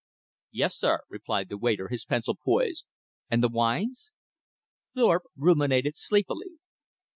"Yes, sir," replied the waiter, his pencil poised. "And the wines?" Thorpe ruminated sleepily.